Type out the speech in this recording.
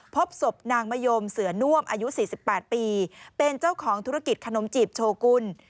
พบศพนางมะยมเสือน่วมอายุ๔๘ปีเป็นเจ้าของธุรกิจขนมจีบโชกุล